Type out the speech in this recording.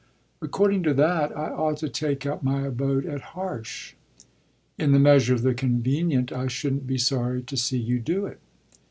"According to that I ought to take up my abode at Harsh." "In the measure of the convenient I shouldn't be sorry to see you do it."